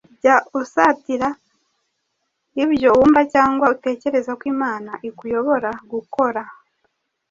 Jya usatira ibyo wumva cyangwa utekereza ko Imana ikuyobora gukora,